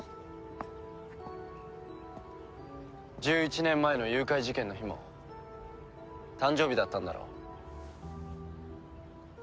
１１年前の誘拐事件の日も誕生日だったんだろ？